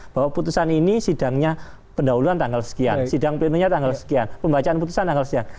bahwa putusan ini sidangnya pendahuluan tanggal sekian sidang plenonya tanggal sekian pembacaan putusan tanggal sekian